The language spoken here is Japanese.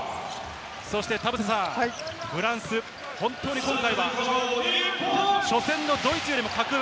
田臥さん、フランス、本当に今回初戦のドイツよりも格上。